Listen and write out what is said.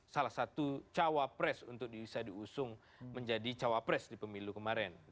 salah satu cawapres untuk bisa diusung menjadi cawapres di pemilu kemarin